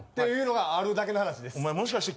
っていうのがあるだけの話です。